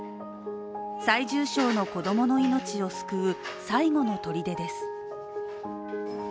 最重症の子供の命を救う最後のとりでです。